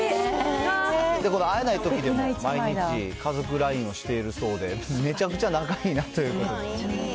この会えないときでも、毎日家族ＬＩＮＥをしているそうで、めちゃくちゃ仲いいなということで。